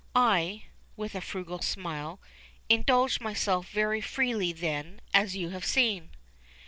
I," with a frugal smile, "indulged myself very freely then, as you have seen."